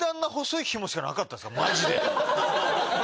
マジで。